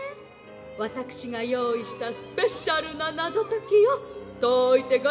わたくしがよういしたスペシャルなナゾときをといてごらんなさい！」。